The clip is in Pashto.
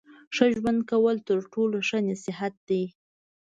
ښه ژوند کول تر ټولو ښه نصیحت دی.